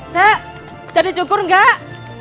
cek jadi cukur gak